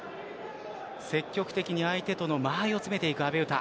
積極的に相手との間合いを詰めていく阿部詩。